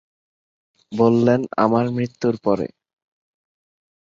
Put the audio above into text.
বললেন, আমার মৃত্যুর পরে।